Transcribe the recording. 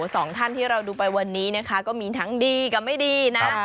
สองท่านที่เราดูไปวันนี้นะคะก็มีทั้งดีกับไม่ดีนะ